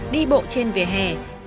đi bộ trên vỉa hè